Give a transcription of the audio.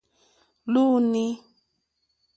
Lúúnî.